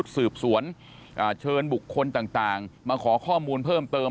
สืบสวนเชิญบุคคลต่างมาขอข้อมูลเพิ่มเติม